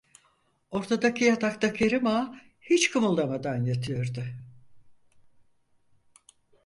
Ortadaki yatakta Kerim Ağa hiç kımıldamadan yatıyordu.